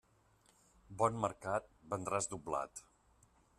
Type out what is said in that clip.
Bon mercat vendràs doblat.